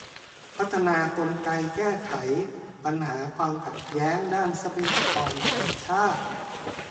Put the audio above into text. พัฒนากลไกแก้ไขปัญหาความขัดแย้งด้านทรัพยากรธรรมชาติ